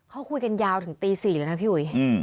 เขาคุยกันยาวถึงตี๔เลยนะพี่อุ๋ย